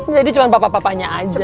jadi cuma bapak bapaknya aja